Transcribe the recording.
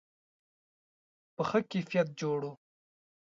په ښه کیفیت جوړ و.